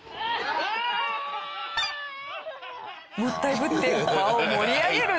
もったいぶって場を盛り上げる男性。